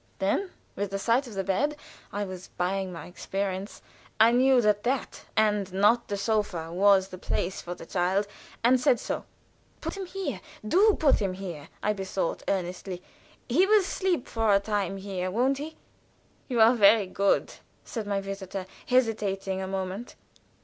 Then with the sight of the bed (I was buying my experience) I knew that that, and not the sofa, was the place for the child, and said so. "Put him here, do put him here!" I besought, earnestly. "He will sleep for a time here, won't he?" "You are very good," said my visitor, hesitating a moment.